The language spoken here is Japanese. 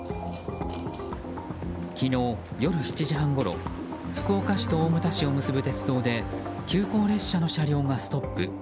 昨日夜７時半ごろ福岡市と大牟田市を結ぶ鉄道で急行列車の車両がストップ。